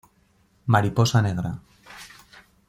Mariposa negra